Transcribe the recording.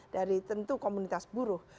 dari tentu komunitas buruh